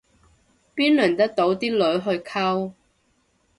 邊輪得到啲女去溝